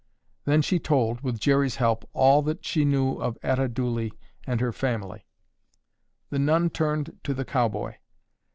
Then she told—with Jerry's help—all that she knew of Etta Dooley and her family. The nun turned to the cowboy.